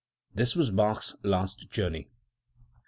This was Bach's last journey."